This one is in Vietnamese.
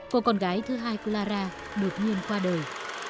của con gái thứ hai clara đột nhiên qua đời